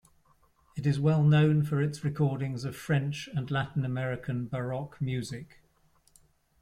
It is well known for its recordings of French and Latin American Baroque music.